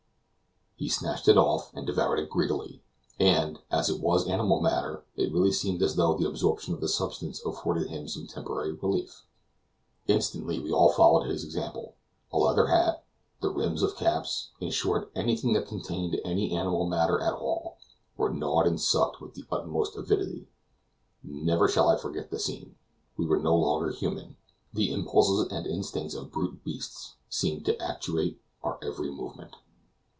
He snatched it off and devoured it greedily; and, as it was animal matter, it really seemed as though the absorption of the substance afforded him some temporary relief. Instantly we all followed his example; a leather hat, the rims of caps, in short, anything that contained any animal matter at all, were gnawed and sucked with the utmost avidity. Never shall I forget the scene. We were no longer human the impulses and instincts of brute beasts seemed to actuate our every movement.